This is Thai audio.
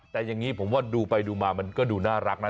แต่อย่างนี้ผมว่าดูไปดูมามันก็ดูน่ารักนะ